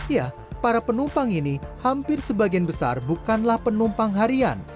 ya para penumpang ini hampir sebagian besar bukanlah penumpang harian